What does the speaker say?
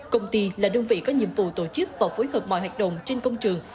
công ty là đơn vị có nhiệm vụ tổ chức và phối hợp mọi hoạt động trên công trường